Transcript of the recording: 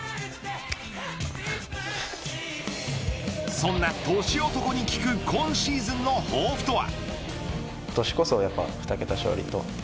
そんな年男に聞く今シーズンの抱負とは。